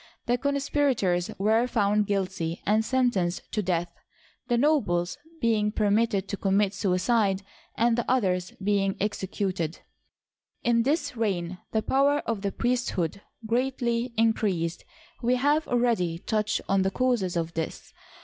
The con spirators were found guilty and sentenced to death, the nobles being permitted to commit suicide, and the others being executed. In this reign the power of the priesthood greatly in creased. We have already touched on the causes of this, ^° Digitized by Google 102 HISTORY OF EGYPT.